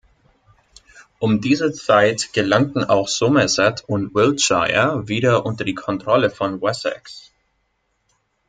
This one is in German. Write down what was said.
Um diese Zeit gelangten auch Somerset und Wiltshire wieder unter die Kontrolle von Wessex.